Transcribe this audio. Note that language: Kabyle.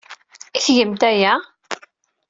I tgemt aya?